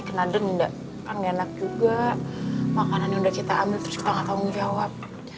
makanan yang udah kita ambil terus kita enggak tahu mau jawab